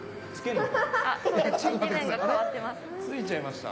ついちゃいました。